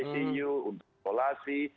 menu untuk populasi